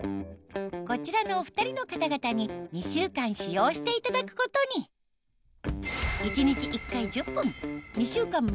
こちらのお２人の方々に２週間使用していただくことに一日１回１０分２週間